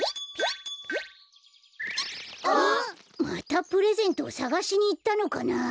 またプレゼントをさがしにいったのかな？